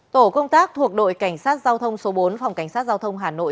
tổ công tác thuộc đội cảnh sát giao thông số bốn phòng cảnh sát giao thông hà nội